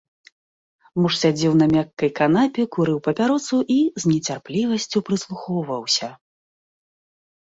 Муж сядзеў на мяккай канапе, курыў папяросу і з нецярплівасцю прыслухоўваўся.